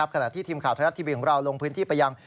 ขณะที่ทีมข่าวไทยรัฐทีวีของเราลงพื้นที่ไปยัง